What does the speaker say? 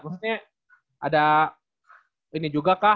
maksudnya ada ini juga kah